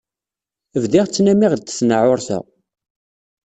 Bdiɣ ttnamiɣ d tnaɛurt-a.